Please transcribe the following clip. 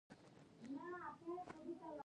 رسۍ کله نرۍ او کله غټه وي.